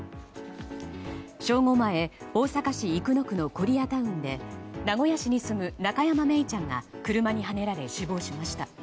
正午前、大阪市生野区のコリアタウンで名古屋市に住む中山愛李ちゃんが車にはねられ死亡しました。